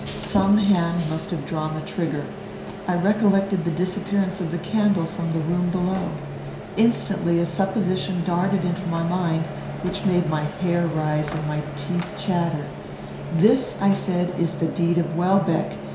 Some hand must have drawn the trigger. I recollected the disappearance of the candle from the room below. Instantly a supposition darted into my mind which made my hair rise and my teeth chatter. "This," I said, "is the deed of Welbeck.